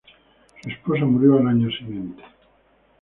Su esposa murió al año siguiente.